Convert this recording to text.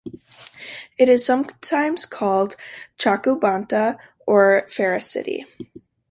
It is sometimes called Chakubanta or Faracity.